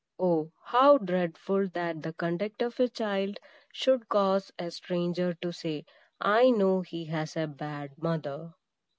O, how dreadful, that the conduct of a child should cause a stranger to say, "I know he has a bad mother!"